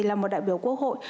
là một đại biểu quốc hội